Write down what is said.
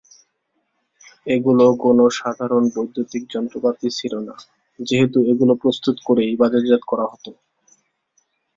এগুলো কোন সাধারণ বৈদ্যুতিক যন্ত্রপাতি ছিল না যেহেতু এগুলো প্রস্তুত করেই বাজারজাত করা হত।